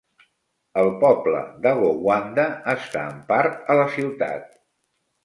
El poble de Gowanda està en part a la ciutat.